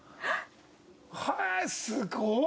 へえすごっ！